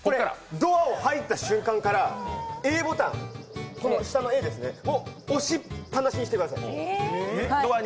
ドアを入った瞬間からＡボタンを押しっぱなしにしてください。